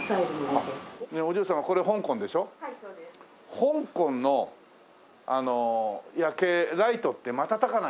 香港の夜景ライトって瞬かないんだよね。